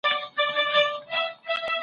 دا صفت مي په صفاتو کي د باز دی